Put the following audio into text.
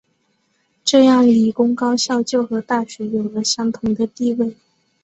这样理工高校就和大学有了相同的地位。